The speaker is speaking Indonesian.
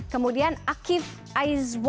kemudian akif aizu